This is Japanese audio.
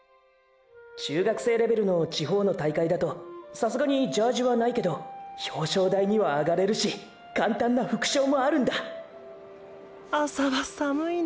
中学生レベルの地方の大会だとさすがにジャージはないけど表彰台にはあがれるし簡単な副賞もあるんだ朝はさむいね。